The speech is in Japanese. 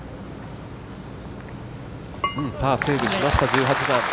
パーセーブしました、１８番。